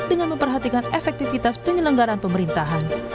dengan memperhatikan efektivitas penyelenggaran pemerintahan